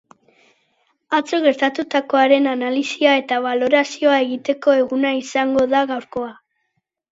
Atzo gertatutakoaren analisia eta balorazioa egiteko eguna izango da gaurkoa.